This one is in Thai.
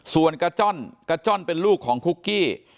ส่วนกระจ้อนกระจ้อนเป็นลูกของคุกกี้